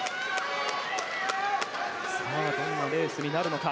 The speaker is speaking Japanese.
どんなレースになるのか。